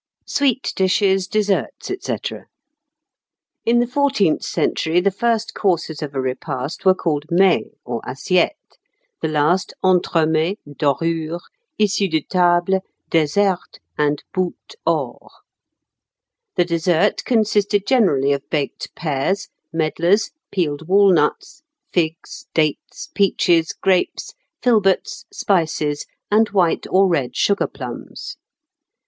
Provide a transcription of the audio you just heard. Sweet Dishes, Desserts, &c. In the fourteenth century, the first courses of a repast were called mets or assiettes; the last, "entremets, dorures, issue de table, desserte, and boule hors." The dessert consisted generally of baked pears, medlars, pealed walnuts, figs, dates, peaches, grapes, filberts, spices, and white or red sugar plums.